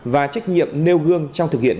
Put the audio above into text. và trách nhiệm nêu gương trong thực hiện